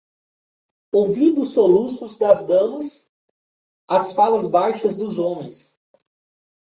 ouvindo os soluços das damas, as falas baixas dos homens